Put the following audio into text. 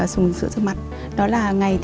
sửa rửa mặt đó là ngày